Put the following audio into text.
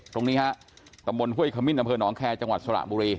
ตรงนี้ครับตำบลเฮ้ยขมิ้นดำเภอนอ๋องแคจังหวัดสระบุรี